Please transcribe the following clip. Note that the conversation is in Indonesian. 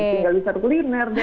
tinggal bisa kuliner deh gitu